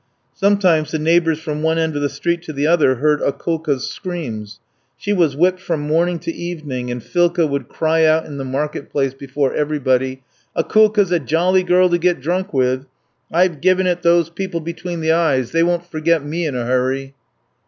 Sometimes the neighbours from one end of the street to the other heard Akoulka's screams. She was whipped from morning to evening, and Philka would cry out in the market place before everybody: "Akoulka's a jolly girl to get drunk with. I've given it those people between the eyes, they won't forget me in a hurry.'